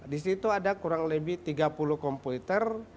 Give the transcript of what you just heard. disitu ada kurang lebih tiga puluh komputer